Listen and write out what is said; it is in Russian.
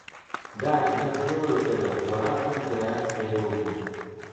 Да, я сделаю это, злорадно потирая свои руки!